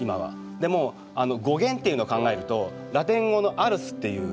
でも語源っていうのを考えるとラテン語の「アルス」っていう意味なんです。